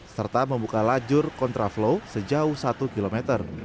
serta membuka lajur kontraflow sejauh satu km